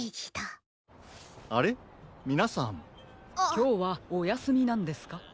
きょうはおやすみなんですか？